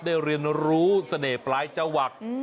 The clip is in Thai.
ได้เรียนรู้เสน่ห์ปลายเจ้าหวก